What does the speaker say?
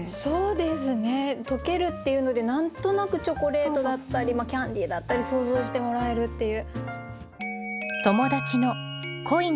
「とける」っていうので何となくチョコレートだったりキャンディーだったり想像してもらえるっていう。